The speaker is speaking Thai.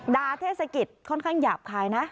เทศกิจค่อนข้างหยาบคายนะ